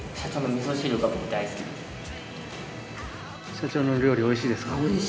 社長の料理美味しいですか？